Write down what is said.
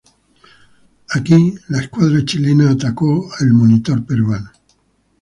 Aquí, la escuadra chilena atacó el monitor peruano.